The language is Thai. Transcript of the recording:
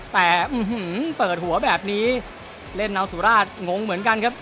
แต่เปิดหัวแบบนี้เล่นเอาสุราชงงเหมือนกันครับ